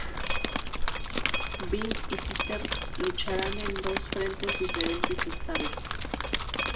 Bean y Peter lucharán en dos frentes diferentes esta vez.